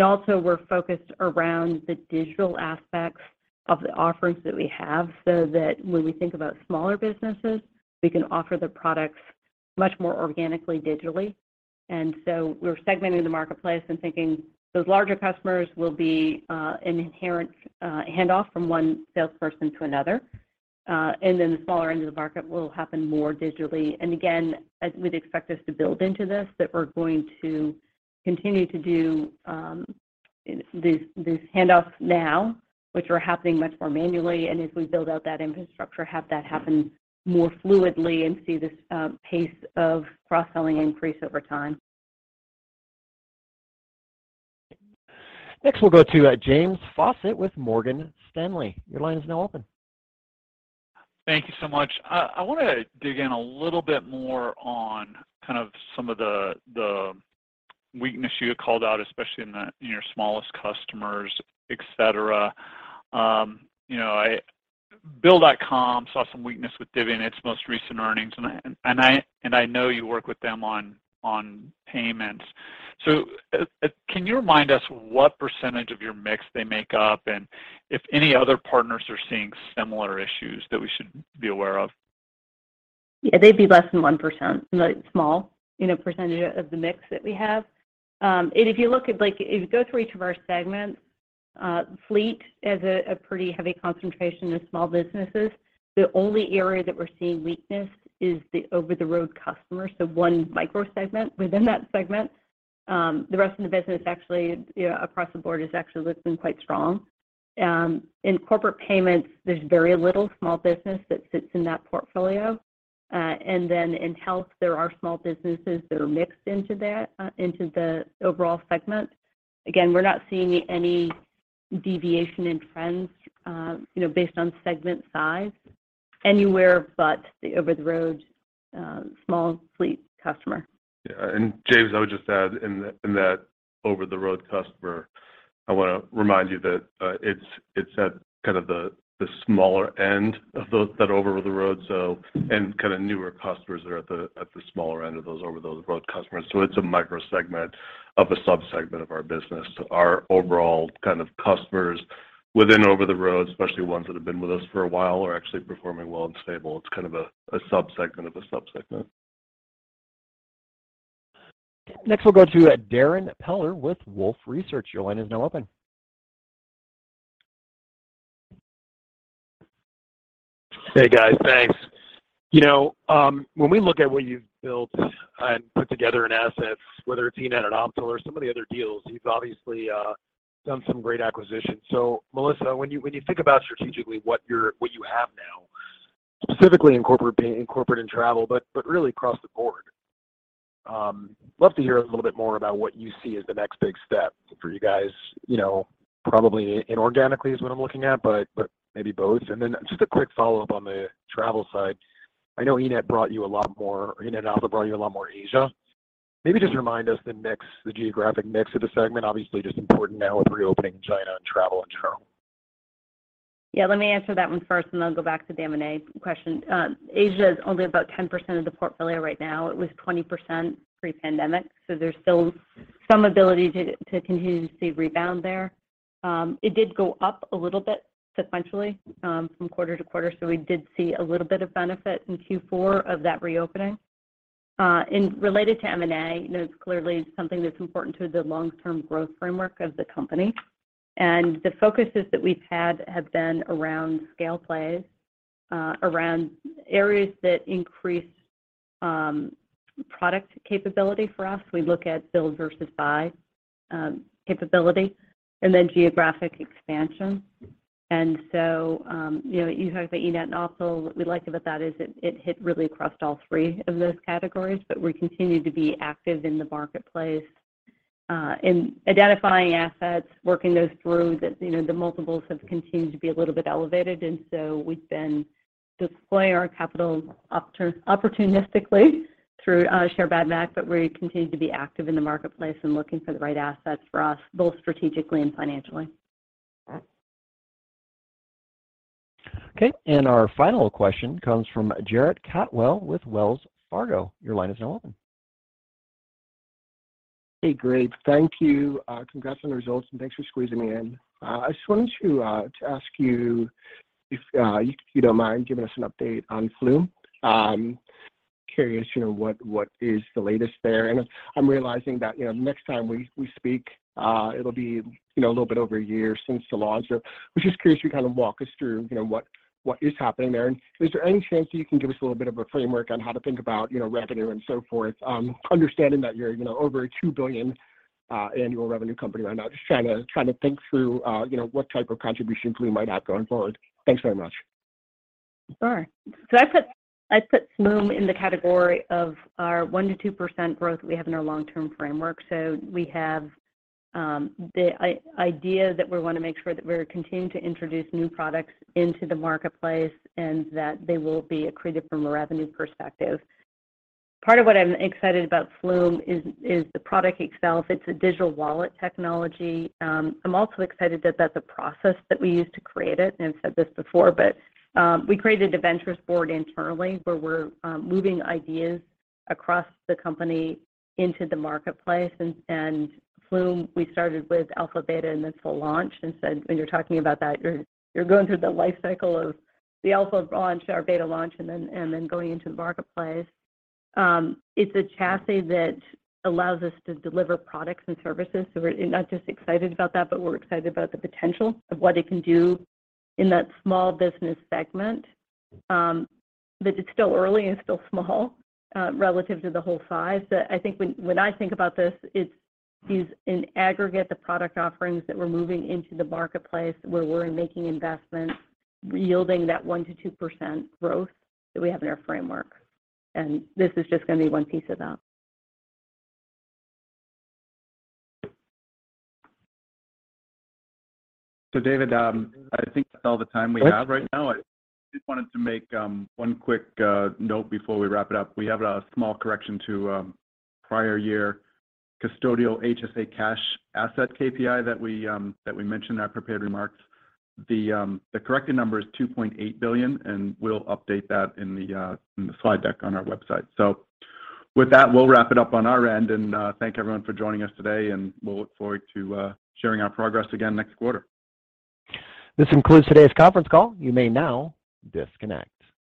Also, we're focused around the digital aspects of the offerings that we have so that when we think about smaller businesses, we can offer the products much more organically, digitally. So we're segmenting the marketplace and thinking those larger customers will be an inherent handoff from one salesperson to another. The smaller end of the market will happen more digitally. Again, as we'd expect us to build into this, that we're going to continue to do, these handoffs now, which are happening much more manually, and as we build out that infrastructure, have that happen more fluidly and see this, pace of cross-selling increase over time. Next we'll go to James Faucette with Morgan Stanley. Your line is now open. Thank you so much. I wanna dig in a little bit more on kind of some of the weakness you had called out, especially in the, in your smallest customers, et cetera. You know, Bill.com saw some weakness with Divvy in its most recent earnings, and I know you work with them on payments. Can you remind us what % of your mix they make up, and if any other partners are seeing similar issues that we should be aware of? Yeah, they'd be less than 1%. Like small, you know, percentage of the mix that we have. If you look at like if you go through each of our segments, fleet has a pretty heavy concentration of small businesses. The only area that we're seeing weakness is the over-the-road customer, so 1 micro segment within that segment. The rest of the business actually, you know, across the board has actually looking quite strong. In corporate payments, there's very little small business that sits in that portfolio. Then in health, there are small businesses that are mixed into that, into the overall segment. Again, we're not seeing any deviation in trends, you know, based on segment size anywhere but the over-the-road small fleet customer. Yeah. James, I would just add in the, in that over-the-road customer, I wanna remind you that it's at kind of the smaller end of those over-the-road, so, and kinda newer customers that are at the smaller end of those over-the-road customers, so it's a micro segment of a sub-segment of our business. Our overall kind of customers within over-the-road, especially ones that have been with us for a while, are actually performing well and stable. It's kind of a sub-segment of a sub-segment. Next we'll go to Darrin Peller with Wolfe Research. Your line is now open. Hey, guys. Thanks. You know, when we look at what you've built and put together in assets, whether it's eNett and Optal or some of the other deals, you've obviously done some great acquisitions. Melissa, when you think about strategically what you have now, specifically in corporate and travel, but really across the board, love to hear a little bit more about what you see as the next big step for you guys. You know, probably inorganically is what I'm looking at, but maybe both. Just a quick follow-up on the travel side. I know eNett brought you a lot more, or eNett and Optal brought you a lot more Asia. Maybe just remind us the mix, the geographic mix of the segment. Obviously just important now with reopening China and travel in general. Yeah. Let me answer that one first, and then I'll go back to the M&A question. Asia is only about 10% of the portfolio right now. It was 20% pre-pandemic, so there's still some ability to continue to see a rebound there. It did go up a little bit sequentially from quarter to quarter, so we did see a little bit of benefit in Q4 of that reopening. In related to M&A, you know, it's clearly something that's important to the long-term growth framework of the company, and the focuses that we've had have been around scale plays around areas that increase product capability for us. We look at build versus buy capability and then geographic expansion. You know, you talked about eNett and Optal. What we liked about that is it hit really across all three of those categories, but we continue to be active in the marketplace, in identifying assets, working those through. You know, the multiples have continued to be a little bit elevated. So we've been deploying our capital opportunistically through share buybacks, but we continue to be active in the marketplace and looking for the right assets for us, both strategically and financially. Okay. Our final question comes from Jeff Cantwell with Wells Fargo. Your line is now open. Hey, great. Thank you. Congrats on the results, and thanks for squeezing me in. I just wanted to ask you if you don't mind giving us an update on Flume. I'm curious, you know, what is the latest there. I'm realizing that, you know, next time we speak, it'll be, you know, a little bit over a year since the launch. I was just curious if you kind of walk us through, you know, what is happening there, and is there any chance you can give us a little bit of a framework on how to think about, you know, revenue and so forth, understanding that you're, you know, over a $2 billion annual revenue company right now. Just trying to think through, you know, what type of contribution Flume might have going forward. Thanks very much. Sure. I put Flume in the category of our 1%-2% growth that we have in our long-term framework. We have the idea that we wanna make sure that we're continuing to introduce new products into the marketplace and that they will be accretive from a revenue perspective. Part of what I'm excited about Flume is the product itself. It's a digital wallet technology. I'm also excited about the process that we used to create it, and I've said this before, but we created a ventures board internally where we're moving ideas across the company into the marketplace. And Flume, we started with alpha, beta, and then full launch. When you're talking about that, you're going through the life cycle of the alpha launch, our beta launch, and then going into the marketplace. It's a chassis that allows us to deliver products and services. We're not just excited about that, but we're excited about the potential of what it can do in that small business segment. It's still early and still small, relative to the whole size. I think when I think about this, it's these in aggregate the product offerings that we're moving into the marketplace, where we're making investments yielding that 1%-2% growth that we have in our framework, and this is just gonna be one piece of that. David, I think that's all the time we have right now. Great. I just wanted to make one quick note before we wrap it up. We have a small correction to prior year custodial HSA cash asset KPI that we mentioned in our prepared remarks. The corrected number is $2.8 billion, and we'll update that in the slide deck on our website. With that, we'll wrap it up on our end, and thank everyone for joining us today, and we'll look forward to sharing our progress again next quarter. This concludes today's conference call. You may now disconnect.